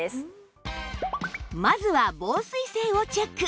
まずは防水性をチェック！